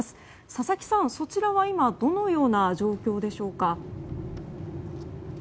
佐々木さん、そちらは今どのような状況でしょうか。